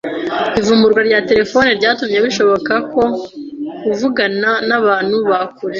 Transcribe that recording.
Ivumburwa rya terefone ryatumye bishoboka kuvugana nabantu ba kure